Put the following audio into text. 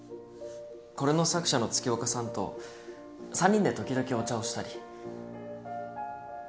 これの作者の月岡さんと３人で時々お茶をしたり。